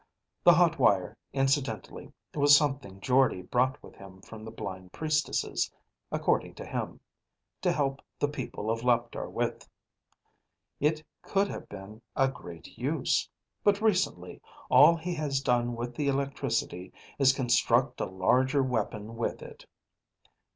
The hot wire, incidentally, was something Jordde brought with him from the blind priestesses, according to him, to help the people of Leptar with. It could have been a great use. But recently all he has done with the electricity is construct a larger weapon with it.